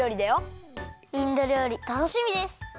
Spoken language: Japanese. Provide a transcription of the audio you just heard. インドりょうりたのしみです！